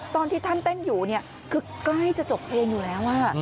ตอนที่ท่านเต้นอยู่คือใกล้จะจบเพลงอยู่แล้ว